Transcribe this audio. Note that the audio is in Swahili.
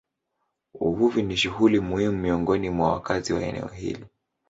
Uvuvi ni shughuli muhimu miongoni mwa wakazi wa eneo hili.